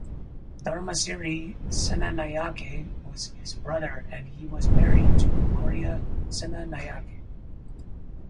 Dharmasiri Senanayake was his brother and he was married to Gloria Senanayake.